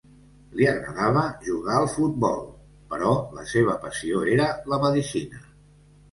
Li agradava jugar al futbol, però la seva passió era la medicina.